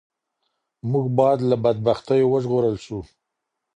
موږ باید له بدبختیو وژغورل سو.